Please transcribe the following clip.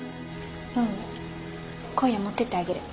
ううん今夜持っていってあげる。